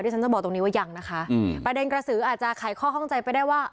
ฉันจะบอกตรงนี้ว่ายังนะคะอืมประเด็นกระสืออาจจะไขข้อข้องใจไปได้ว่า